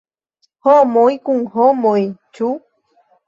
“Homoj kun homoj”, ĉu?